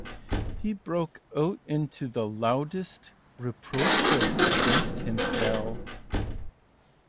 He broke out into the loudest reproaches against himself.